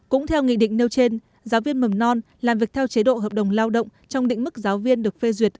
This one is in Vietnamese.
cũng theo nghị định nêu trên giáo viên mầm non làm việc theo chế độ hợp đồng lao động trong định mức giáo viên được phê duyệt